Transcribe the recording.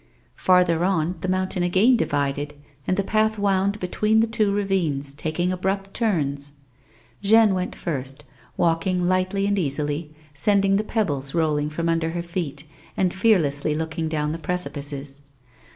Farther on, the mountain again divided, and the path wound between the two ravines, taking abrupt turns. Jeanne went first, walk ing lightly and easily, sending the pebbles rolling from under her feet and fearlessly looking down the precipices.